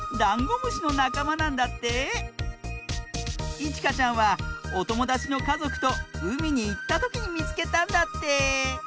いちかちゃんはおともだちのかぞくとうみにいったときにみつけたんだって！